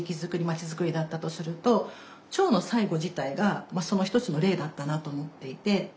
町づくりだったとすると長の最期自体がその一つの例だったなと思っていて。